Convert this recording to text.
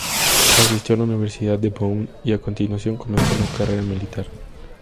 Asistió a la Universidad de Bonn y, a continuación, comenzó una carrera militar.